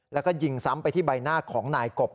แล้วก็ยิงซ้ำไปที่ใบหน้าของนายกบ